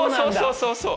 そうそうそう。